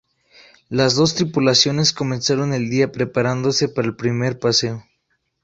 Las dos tripulaciones comenzaron el día preparándose para el primer paseo.